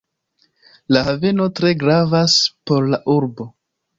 La haveno tre gravas por la urbo.